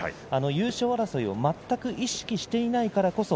優勝争いは全く意識してないからこそ